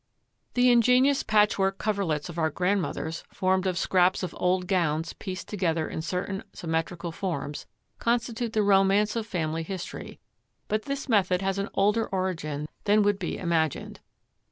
The ingenious patchwork coverlets of our grandmothers, formed of scraps of old gowns pieced together in certain symmetrical forms, constitute the romance of family history, but this method has an older origin than would be imagined.